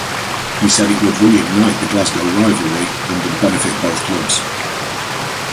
He said it would reignite the Glasgow-rivalry and would benefit both clubs.